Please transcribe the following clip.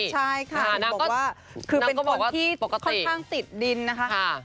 ใช่ค่ะก็คือเป็นคนที่ค่อนข้างติดดินนะคะ